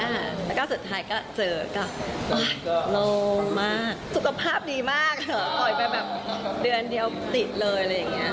แล้วก็สุดท้ายก็เจอกับโล่งมากสุขภาพดีมากปล่อยไปแบบเดือนเดียวติดเลยอะไรอย่างนี้